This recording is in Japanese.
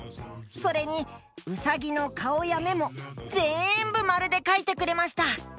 それにうさぎのかおやめもぜんぶまるでかいてくれました。